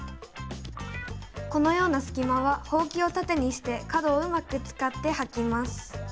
このようなすき間はほうきをたてにして角をうまく使ってはきます。